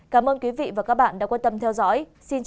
cảm ơn quý vị và các bạn đã quan tâm theo dõi xin chào và gặp lại